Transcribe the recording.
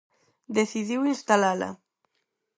Decidiu instalala.